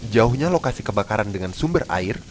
jauhnya lokasi kebakaran dengan sumber air